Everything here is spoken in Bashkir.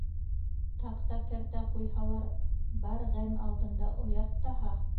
Таҡта кәртә ҡуйһалар, бар ғәм алдында оят таһа.